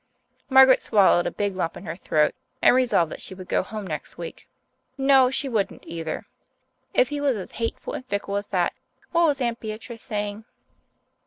Margaret swallowed a big lump in her throat, and resolved that she would go home next week no, she wouldn't, either if he was as hateful and fickle as that what was Aunt Beatrice saying?